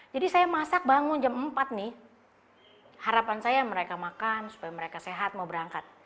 jadi saya masak bangun jam empat nih harapan saya mereka makan supaya mereka sehat mau berangkat